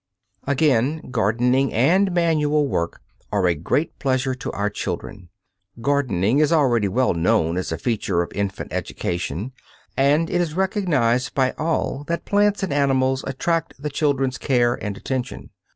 Again, gardening and manual work are a great pleasure to our children. Gardening is already well known as a feature of infant education, and it is recognized by all that plants and animals attract the children's care and attention.